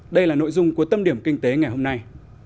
đây là nội dung của tâm điểm kinh tế ngày hôm nay